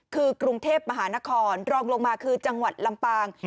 คือกรุงเทพมหานครรองลงมาคือจังหวัดลำปาง